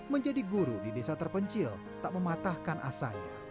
menjadi guru di desa terpencil tak mematahkan asanya